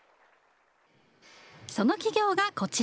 その企業がこちら。